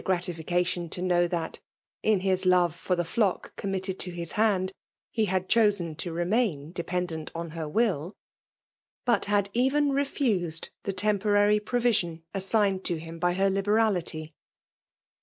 gratification to know that in his lore for th# flock committed to his hand^ he had ehos^ to remain dependent on her will> but had even refused the temporary provision assigned to him by her liberality.